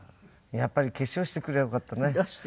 やっぱり化粧してくればよかったね。